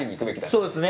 そうですね。